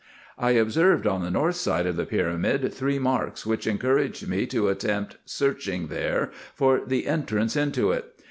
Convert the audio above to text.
I observed on the north side of the pyramid three marks, which encouraged me to attempt searching there for the entrance into it.